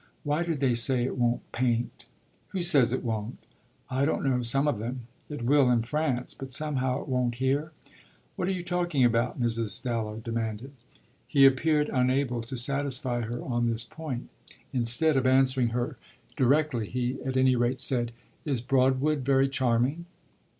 Why do they say it won't paint?" "Who says it won't?" "I don't know some of them. It will in France; but somehow it won't here." "What are you talking about?" Mrs. Dallow demanded. He appeared unable to satisfy her on this point; instead of answering her directly he at any rate said: "Is Broadwood very charming?"